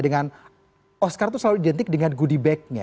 dengan oscar itu selalu identik dengan goodie bag nya